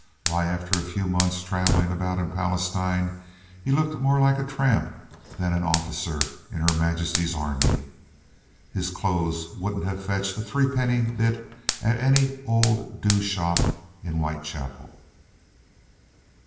Why, after a few months' travelling about in Palestine, he looked more like a tramp than an officer in Her Majesty's Army. His clothes wouldn't have fetched a three penny bit at any 'old do' shop in Whitechapel."